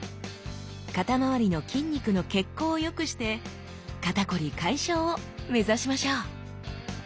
肩まわりの筋肉の血行をよくして肩こり解消を目指しましょう！